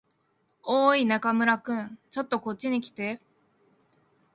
おーい、中村君。ちょっとこっちに来て。